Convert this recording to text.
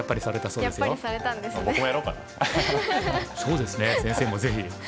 そうですね先生もぜひ。